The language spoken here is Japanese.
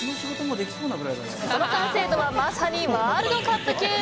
その完成度はまさにワールドカップ級。